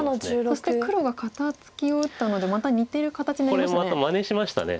そして黒が肩ツキを打ったのでまた似てる形になりましたね。